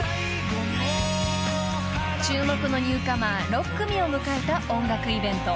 ［注目のニューカマー６組を迎えた音楽イベント］